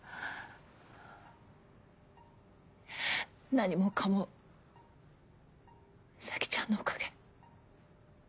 何もかも咲ちゃんのおかげ。